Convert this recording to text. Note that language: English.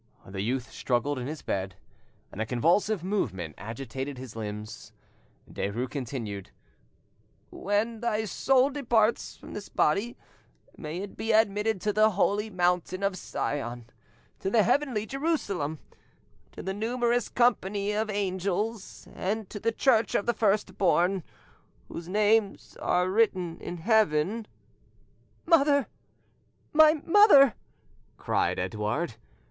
The youth struggled in his bed, and a convulsive movement agitated his limbs. Derues continued— "When thy soul departs from this body may it be admitted to the holy Mountain of Sion, to the Heavenly Jerusalem, to the numerous company of Angels, and to the Church of the First born, whose names are written in Heaven——" "Mother! ... My mother!" cried Edouard.